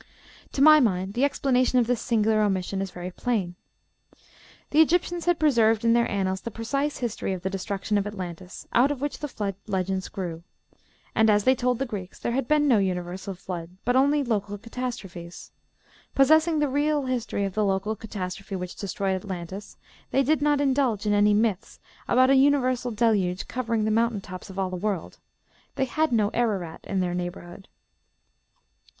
To my mind the explanation of this singular omission is very plain. The Egyptians had preserved in their annals the precise history of the destruction of Atlantis, out of which the Flood legends grew; and, as they told the Greeks, there had been no universal flood, but only local catastrophes. Possessing the real history of the local catastrophe which destroyed Atlantis, they did not indulge in any myths about a universal deluge covering the mountain tops of all the world. They had no Ararat in their neighborhood.